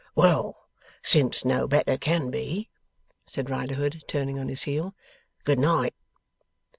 'Well, since no better can be,' said Riderhood, turning on his heel, 'Good night!